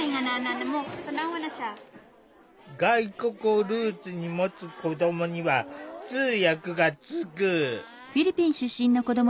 外国をルーツにもつ子どもには通訳がつく。